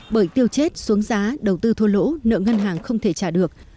bởi tiêu chết xuống giá đầu tư thua lỗ nợ ngân hàng không thể trả được